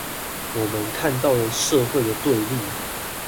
我們看到了社會的對立